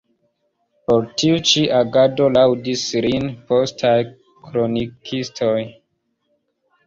Por tiu ĉi agado laŭdis lin postaj kronikistoj.